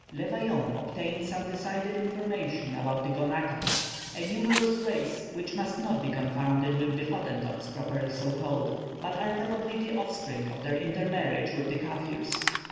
Le Vaillant obtained some decided information about the Gonaquas, a numerous race which must not be confounded with the Hottentots properly so called, but are probably the offspring of their intermarriage with the Kaffirs.